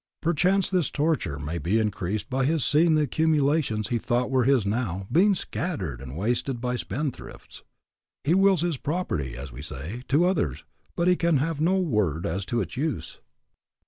Perchance this torture may be increased by his seeing the accumulations he thought were his now being scattered and wasted by spendthrifts. He wills his property, as we say, to others, but he can have no word as to its use.